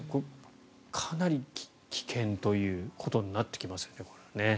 かなり危険ということになってきますね。